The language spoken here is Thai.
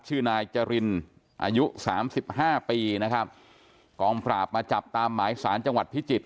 ชื่อนายจรินอายุสามสิบห้าปีนะครับกองปราบมาจับตามหมายสารจังหวัดพิจิตร